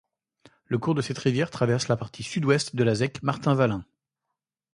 Le cours de cette rivière traverse la partie Sud-Ouest de la zec Martin-Valin.